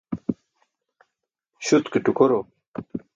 Śut ke tukoro.